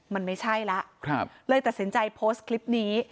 มันไม่ใช่แล้วเลยตัดสินใจโพสต์คลิปนี้